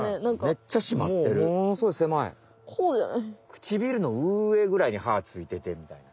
くちびるのうえぐらいに歯ついててみたいな。